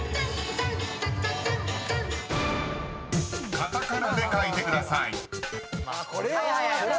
［カタカナで書いてください］